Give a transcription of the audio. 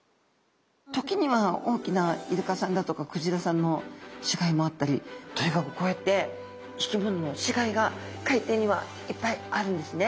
時には大きなイルカさんだとかクジラさんの死骸もあったりとにかくこうやって生き物の死骸が海底にはいっぱいあるんですね。